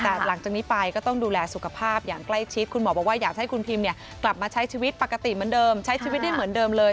แต่หลังจากนี้ไปก็ต้องดูแลสุขภาพอย่างใกล้ชิดคุณหมอบอกว่าอยากให้คุณพิมกลับมาใช้ชีวิตปกติเหมือนเดิมใช้ชีวิตได้เหมือนเดิมเลย